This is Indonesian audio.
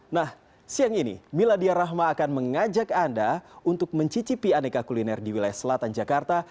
nah siang ini miladia rahma akan mengajak anda untuk mencicipi aneka kuliner di wilayah selatan jakarta